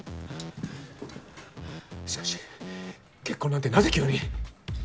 しかし結婚なんてなぜ急に。